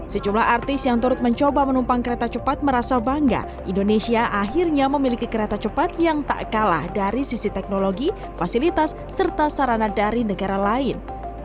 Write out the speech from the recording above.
sejumlah artis yang turut mencoba menumpang kereta cepat merasa bangga indonesia akhirnya memiliki kereta cepat yang tak kalah dari sisi teknologi fasilitas serta sarana dari negara lain